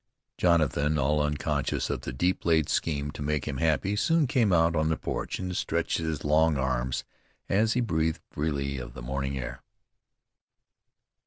Jonathan, all unconscious of the deep laid scheme to make him happy, soon came out on the porch, and stretched his long arms as he breathed freely of the morning air.